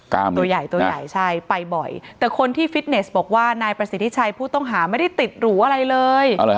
ตัวใหญ่ตัวใหญ่ใช่ไปบ่อยแต่คนที่ฟิตเนสบอกว่านายประสิทธิชัยผู้ต้องหาไม่ได้ติดหรูอะไรเลย